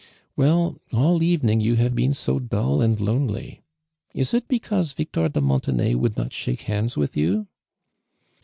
"Well, all evening you havo been so dull and lonely! Is it because \ ictor de Mon tenay would not shake hands with you